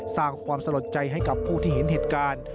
สร้างความสลดใจให้กับผู้ที่เห็นเหตุการณ์